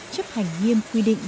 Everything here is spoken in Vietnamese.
chấp hành nghiêm quy định